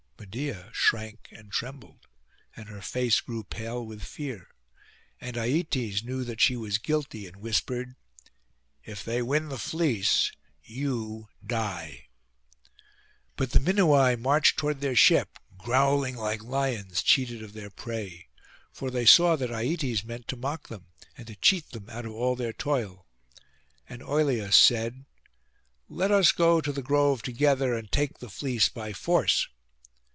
Medeia shrank and trembled, and her face grew pale with fear; and Aietes knew that she was guilty, and whispered, 'If they win the fleece, you die!' But the Minuai marched toward their ship, growling like lions cheated of their prey; for they saw that Aietes meant to mock them, and to cheat them out of all their toil. And Oileus said, 'Let us go to the grove together, and take the fleece by force.